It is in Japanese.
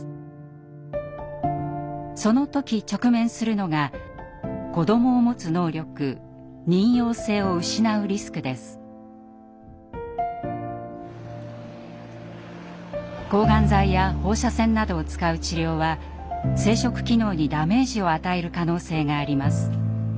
その時直面するのが子どもをもつ能力抗がん剤や放射線などを使う治療は生殖機能にダメージを与える可能性があります。